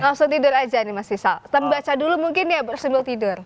langsung tidur aja nih mas fisal kita baca dulu ya mungkin ya bersambil tidur